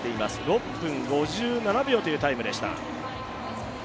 ６分５７秒というタイムでした。